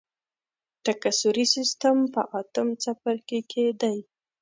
تکثري سیستم په اتم څپرکي کې دی.